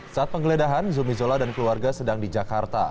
saat penggeledahan zumizola dan keluarga sedang di jakarta